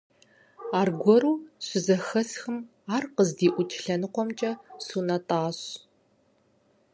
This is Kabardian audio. Аргуэру щызэхэсхым, ар къыздиӀукӀ лъэныкъуэмкӀэ сунэтӀащ.